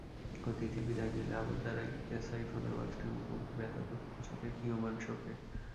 অতিথি বিদায় নিলে আবার দাঁড়াই এসেআইফোনের বাক্সটির মুখোমুখি ব্যথাতুর চোখেক্ষীয়মাণ শোকে।